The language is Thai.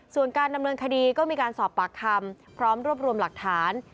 ส่วนการดำเนินคดีก็มีการสอบปากคำพร้อมรวบรวมหลักฐาน